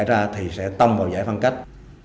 xảy ra tai nạn giao thông vào giải phân cách